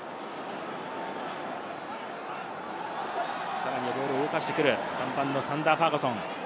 さらにボールを動かしてくる、３番のザンダー・ファーガソン。